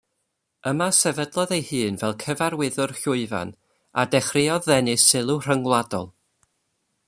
Yma sefydlodd ei hun fel cyfarwyddwr llwyfan a dechreuodd ddenu sylw rhyngwladol.